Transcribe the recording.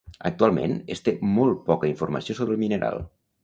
Actualment es té molt poca informació sobre el mineral.